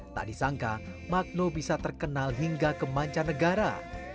tak disangka magno bisa terkenal hingga ke manca negara